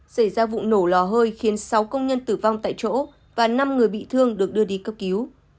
xảy ra vụ nổ lò hơi khiến sáu công nhân tử vong tại chỗ và năm người bị thương được đưa đi cấp cứu